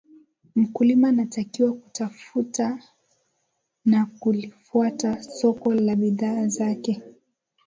Mkulima anatakiwa kutafuta na kulifuata soko la bidhaa zake